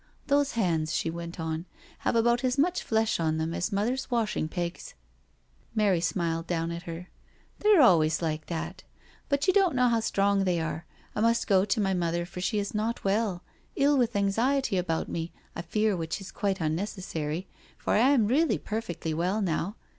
" Those hands/' she went on, " have about as much flesh on them as Mother's washing pegs." Mary smiled down on her: " They're always like that, but you don't know how strong they are. I must go to my Mother, for she is not well — ill with anxiety about me, I fear, which is quite unnecessary, for I am really perfectly well now.